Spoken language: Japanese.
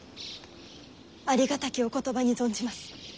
ありがたきお言葉に存じます。